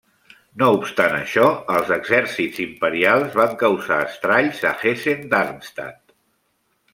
No obstant això, els exèrcits imperials van causar estralls a Hessen-Darmstadt.